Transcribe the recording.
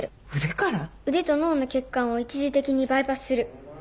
腕と脳の血管を一時的にバイパスする。